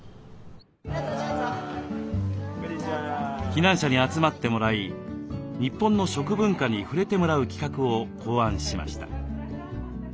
避難者に集まってもらい日本の食文化に触れてもらう企画を考案しました。